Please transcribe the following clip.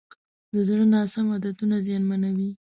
د زړه ناسم عادتونه زیانمنوي.